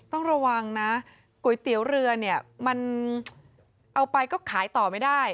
ต้องระวังนะก๋วยเตี๋ยวเรือเนี่ยมันเอาไปก็ขายต่อไม่ได้